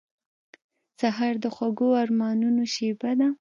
سهار د خوږو ارمانونو شېبه ده.